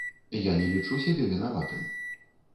Я не лічу сябе вінаватым.